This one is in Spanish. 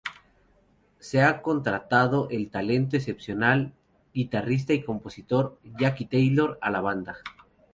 Se ha contratado el "talento excepcional" guitarrista y compositor Jacqui Taylor a la banda.